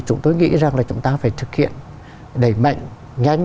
chúng tôi nghĩ rằng là chúng ta phải thực hiện đẩy mạnh nhanh